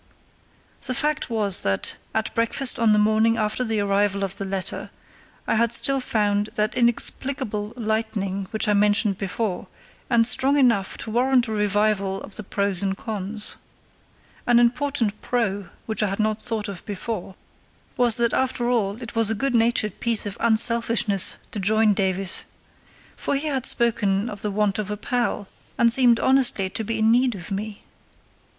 The fact was that, at breakfast on the morning after the arrival of the letter, I had still found that inexplicable lightening which I mentioned before, and strong enough to warrant a revival of the pros and cons. An important pro which I had not thought of before was that after all it was a good natured piece of unselfishness to join Davies; for he had spoken of the want of a pal, and seemed honestly to be in need of me.